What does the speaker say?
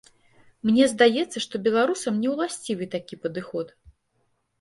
Мне здаецца, што беларусам не ўласцівы такі падыход.